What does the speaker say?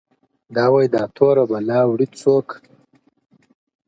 • دا وايي دا توره بلا وړي څوك؛